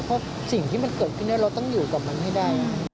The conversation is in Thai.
เพราะสิ่งที่มันเกิดขึ้นเราต้องอยู่กับมันให้ได้